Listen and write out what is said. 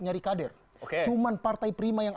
nyari kader cuma partai prima yang